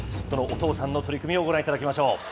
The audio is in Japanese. そのお父さんの取組をご覧いただきましょう。